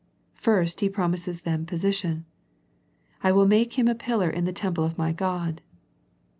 First He promises them position, " I will make him a pillar in the temple of My God."